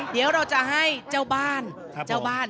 เดี๋ยวเราจะให้เจ้าบ้าน